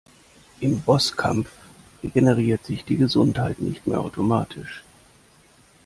Im Bosskampf regeneriert sich die Gesundheit nicht mehr automatisch.